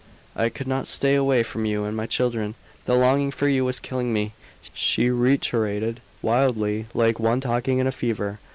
"I could not stay away from you and my children. The longing for you was killing me," she reiterated, wildly, like one talking in a fever.